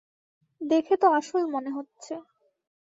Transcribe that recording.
দেখে তো আসল মনে হচ্ছে।